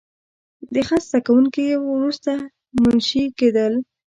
د خط زده کوونکي وروسته منشي کېدل.